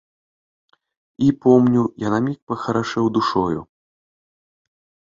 І, помню, я на міг пахарашэў душою.